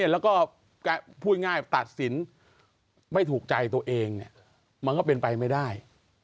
แล้วก็พูดง่ายตัดสินไม่ถูกใจตัวเองมันก็เป็นไปไม่ได้